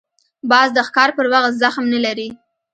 باز د ښکار پر وخت زغم نه لري